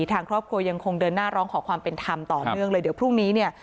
ทางครอบครัวยังคงเดินหน้าร้องขอความเป็นธรรมต่อเนื่องเลยเดี๋ยวพรุ่งนี้เนี่ย